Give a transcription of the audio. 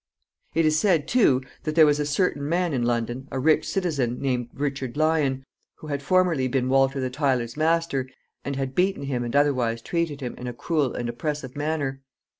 It is said, too, that there was a certain man in London, a rich citizen, named Richard Lyon, who had formerly been Walter the Tiler's master, and had beaten him and otherwise treated him in a cruel and oppressive manner.